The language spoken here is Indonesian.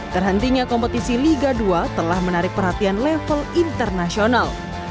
terhentinya kompetisi liga dua telah menarik perhatian level internasional